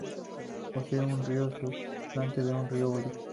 Posee un río, subafluente del río Ulla.